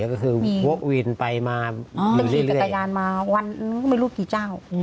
โอ้เลือกนี่ก็ได้เลยเลยนึกลดการร์มาวันไม่รู้กี่เจ้า